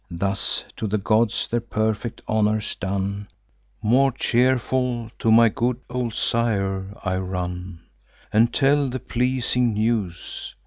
Thus to the gods their perfect honours done, More cheerful, to my good old sire I run, And tell the pleasing news.